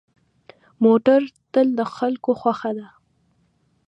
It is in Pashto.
موټر تل د خلکو خوښه ده.